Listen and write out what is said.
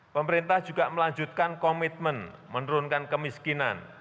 pemerintah juga melanjutkan komitmen menurunkan kemiskinan